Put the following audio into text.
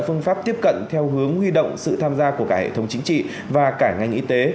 phương pháp tiếp cận theo hướng huy động sự tham gia của cả hệ thống chính trị và cả ngành y tế